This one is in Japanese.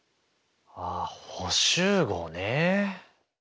ああ補集合ね。